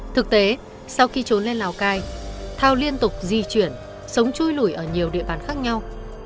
thực tế sau khi trốn lên lào cai thao liên tục di chuyển sống chui lủi ở nhiều địa bàn khác nhau